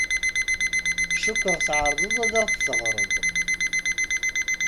Cukkeɣ tɛerḍeḍ ad aɣ-d-teɣṛeḍ.